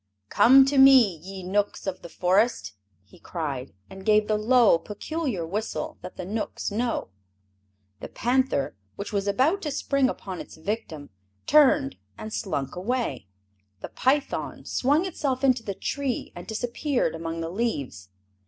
"Come to me, ye Knooks of the Forest!" he cried, and gave the low, peculiar whistle that the Knooks know. The panther, which was about to spring upon its victim, turned and slunk away. The python swung itself into the tree and disappeared among the leaves.